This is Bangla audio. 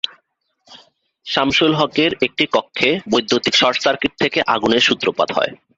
শামছুল হকের ঘরের একটি কক্ষে বৈদ্যুতিক শর্টসার্কিট থেকে আগুনের সূত্রপাত হয়।